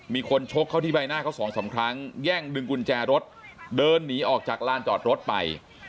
ชกเข้าที่ใบหน้าเขาสองสามครั้งแย่งดึงกุญแจรถเดินหนีออกจากลานจอดรถไป